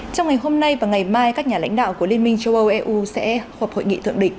trong ngày hôm nay và ngày mai các nhà lãnh đạo của liên minh châu âu eu sẽ họp hội nghị thượng đỉnh